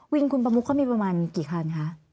วินคุณประมุกเขามีประมาณกี่คันคะ